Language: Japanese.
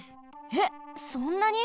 えっそんなに？